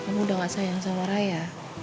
kamu udah gak sayang sama raya